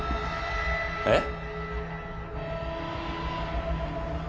えっ！？